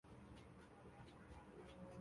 吉林大学法学院毕业。